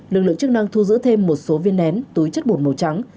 lực lượng chức năng thu giữ thêm một số viên nén túi chất bột màu trắng